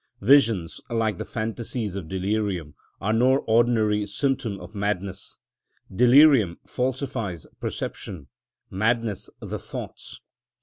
Visions, like the phantasies of delirium, are no ordinary symptom of madness: delirium falsifies perception, madness the thoughts.